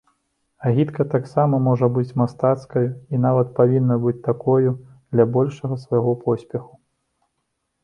Агітка таксама можа быць мастацкаю і нават павінна быць такою для большага свайго поспеху.